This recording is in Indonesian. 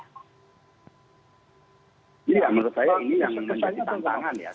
ya menurut saya ini yang menyebutkan tantangan ya